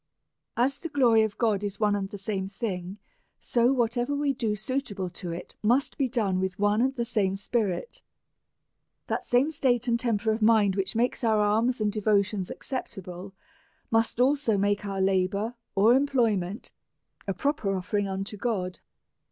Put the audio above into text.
As the glory of God is one and the same thing, so whatever we do suitable to it must be done with one and the same spirit. That same state and temper of mind which makes our alms and devotions acceptable, must also make our labour or employment a proper offering unto God.